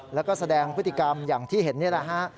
แล้วก็แสดงพฤติกรรมอย่างที่เห็นนี่แหละฮะ